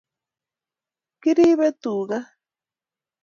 kiribe tuga